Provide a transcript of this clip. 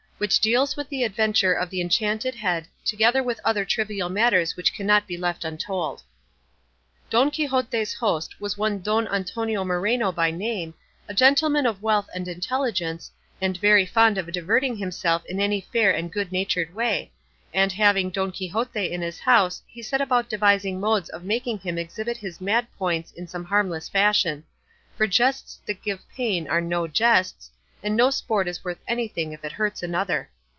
WHICH DEALS WITH THE ADVENTURE OF THE ENCHANTED HEAD, TOGETHER WITH OTHER TRIVIAL MATTERS WHICH CANNOT BE LEFT UNTOLD Don Quixote's host was one Don Antonio Moreno by name, a gentleman of wealth and intelligence, and very fond of diverting himself in any fair and good natured way; and having Don Quixote in his house he set about devising modes of making him exhibit his mad points in some harmless fashion; for jests that give pain are no jests, and no sport is worth anything if it hurts another.